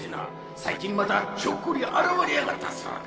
最近またひょっこり現れやがったそうだ。